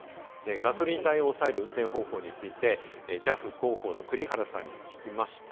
ガソリン代を抑える運転方法についてＪＡＦ広報の栗原さんに聞きました。